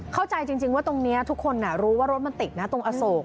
เข้าใจจริงว่าตรงนี้ทุกคนรู้ว่ารถมันติดนะตรงอโศก